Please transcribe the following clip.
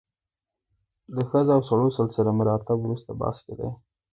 د ښځو او سړو سلسله مراتب وروسته بحث کې دي.